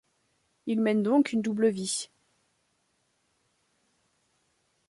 Il mène donc une double vie.